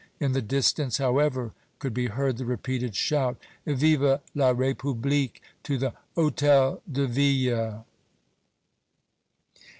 In the distance, however, could be heard the repeated shout: "Vive la République! to the Hôtel de Ville!"